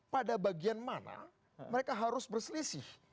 pada bagian mana mereka harus berselisih